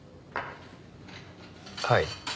はい。